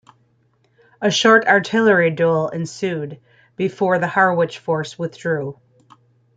A short artillery duel ensued before the Harwich Force withdrew.